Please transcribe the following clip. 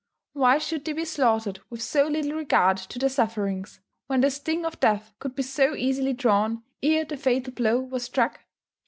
Why should they be slaughtered with so little regard to their sufferings, when the sting of death could be so easily drawn, ere the fatal blow was struck?